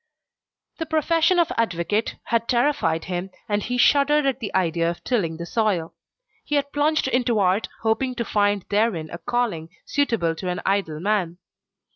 The profession of advocate had terrified him, and he shuddered at the idea of tilling the soil. He had plunged into art, hoping to find therein a calling suitable to an idle man.